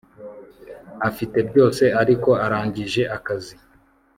Afite byose ariko arangije akazi